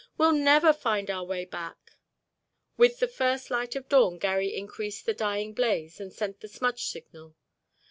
"We'll never find our way back." With the first light of dawn Garry increased the dying blaze and sent the smudge signal.